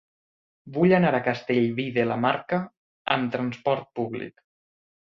Vull anar a Castellví de la Marca amb trasport públic.